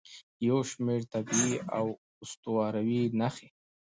چې یو شمیر طبیعي او اسطوروي نښې